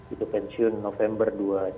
itu pensiun november dua puluh tiga